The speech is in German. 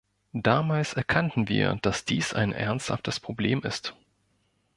Damals erkannten wir, dass dies ein ernsthaftes Problem ist.